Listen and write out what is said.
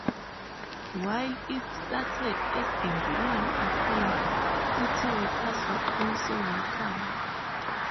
While it started as a rural assembly, city workers were also welcomed.